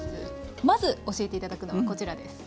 まず教えて頂くのはこちらです。